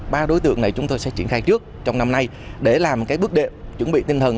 ba đối tượng này chúng tôi sẽ triển khai trước trong năm nay để làm cái bước đệm chuẩn bị tinh thần